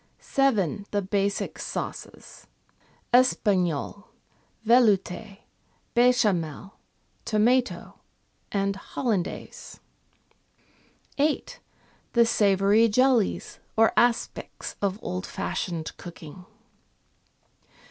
7. The basic sauces : Espagnole, Veloute, Bechamel, Tomato, and Hollandaise. 8. The savoury jellies or aspics of old fashioned cooking.